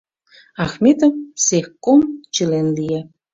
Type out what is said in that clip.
Ахметов цехком член лие.